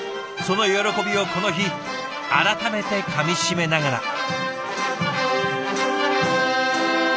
その喜びをこの日改めてかみしめながら。